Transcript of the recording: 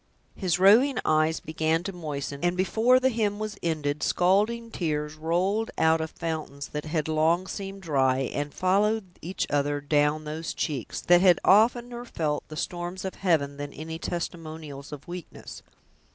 His roving eyes began to moisten, and before the hymn was ended scalding tears rolled out of fountains that had long seemed dry, and followed each other down those cheeks, that had oftener felt the storms of heaven than any testimonials of weakness.